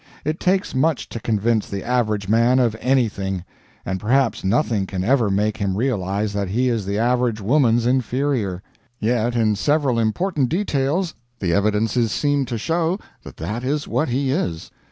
It takes much to convince the average man of anything; and perhaps nothing can ever make him realize that he is the average woman's inferior yet in several important details the evidence seems to show that that is what he is.